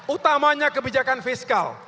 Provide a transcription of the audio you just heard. utamanya kebijakan fiskal